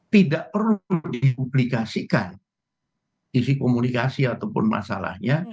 tidak perlu dipublikasikan sisi komunikasi ataupun masalahnya